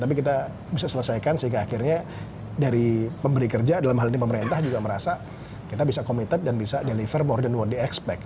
tapi kita bisa selesaikan sehingga akhirnya dari pemberi kerja dalam hal ini pemerintah juga merasa kita bisa committed dan bisa deliver borden worl the expect